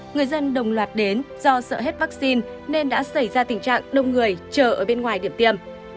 người dân đồng loạt đến do sợ hết vaccine nên đã xảy ra tình trạng đông người chờ ở bên ngoài điểm tiêm